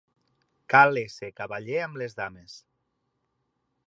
Cal ésser cavaller amb les dames.